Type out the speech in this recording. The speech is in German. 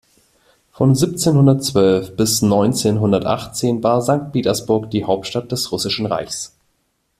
Von siebzehnhundertzwölf bis neunzehnhundertachtzehn war Sankt Petersburg die Hauptstadt des Russischen Reichs.